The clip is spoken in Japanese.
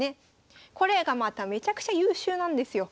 これがまためちゃくちゃ優秀なんですよ。